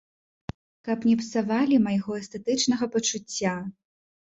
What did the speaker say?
Каб не псавалі майго эстэтычнага пачуцця!